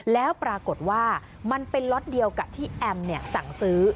แล้วปรากฏว่ามันเป็นล็อตเดียวกับที่แอมสั่งซื้อ